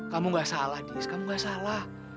kamu nggak salah gis kamu nggak salah